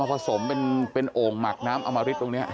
เอามาผสมเป็นเป็นโอ่งหมักน้ำอมริตตรงนี้